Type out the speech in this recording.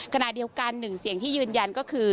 ขณะเดียวกันหนึ่งเสียงที่ยืนยันก็คือ